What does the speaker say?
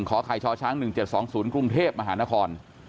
๑ขอไข่ชอช้าง๑๗๒๐กรุงเทพฯมหานคร